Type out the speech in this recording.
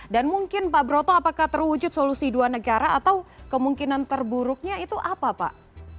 dan mungkin pak broto apakah terwujud solusi dua negara atau kemungkinan terburuknya itu apa pak